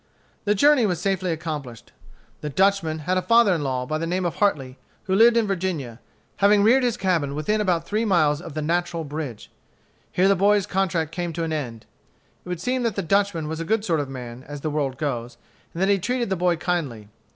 The journey was safely accomplished. The Dutchman had a father in law, by the name of Hartley, who lived in Virginia, having reared his cabin within about three miles of the Natural Bridge. Here the boy's contract came to an end. It would seem that the Dutchman was a good sort of man, as the world goes, and that he treated the boy kindly.